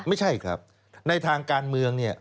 ไม่ใช่ครับในทางการเมืองเนี่ย